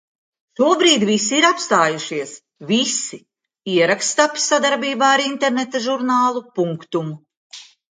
Šobrīd visi ir apstājušies. Visi. Ieraksts tapis sadarbībā ar interneta žurnālu Punctum